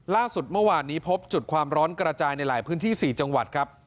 ล่าสุดเมื่อวานนี้พบจุดความร้อนกระจายในหลายพื้นที่๔จังหวัดครับ